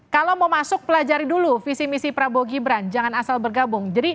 kalau mau masuk pelajari dulu visi misi prabowo gibran jangan asal bergabung